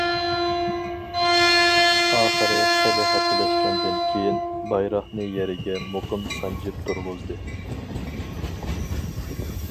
ئاخىرى خېلى ھەپىلەشكەندىن كىيىن بايراقنى يەرگە مۇقىم سانجىپ تۇرغۇزدى.